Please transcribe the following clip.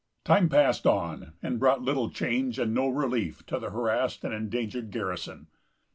Time passed on, and brought little change and no relief to the harassed and endangered garrison.